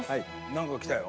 何か来たよ。